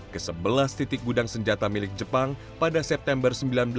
ke sebelas titik gudang senjata milik jepang pada september seribu sembilan ratus delapan puluh